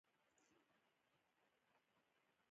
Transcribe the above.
آیا دوی په بیارغونه کې ونډه نلره؟